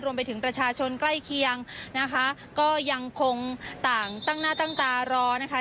ประชาชนใกล้เคียงนะคะก็ยังคงต่างตั้งหน้าตั้งตารอนะคะ